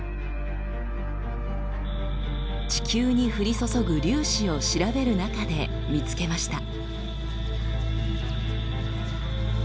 地球に降り注ぐ粒子を調べる中で見つけました。